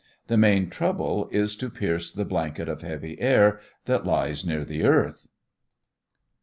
The main trouble is to pierce the blanket of heavy air that lies near the earth.